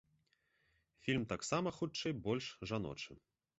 Фільм таксама хутчэй больш жаночы.